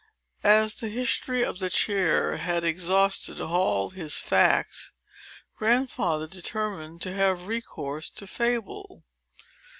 As the history of the chair had exhausted all his facts, Grandfather determined to have recourse to fable.